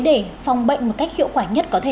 để phòng bệnh một cách hiệu quả nhất có thể